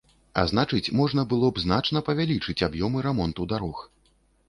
А значыць, можна было б значна павялічыць аб'ёмы рамонту дарог.